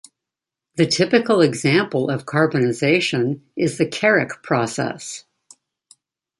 The typical example of carbonization is the Karrick process.